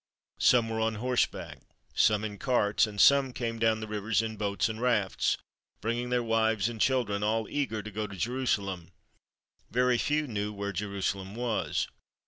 Some were on horseback, some in carts, and some came down the rivers in boats and rafts, bringing their wives and children, all eager to go to Jerusalem. Very few knew where Jerusalem was.